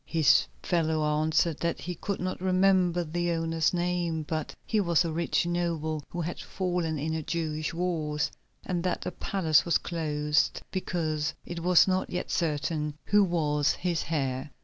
His fellow answered that he could not remember the owner's name, but he was a rich noble who had fallen in the Jewish wars, and that the palace was closed because it was not yet certain who was his heir.